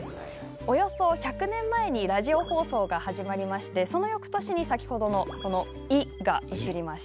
およそ１００年前にラジオ放送が始まりましてその翌年に先ほどのこの「イ」が映りました。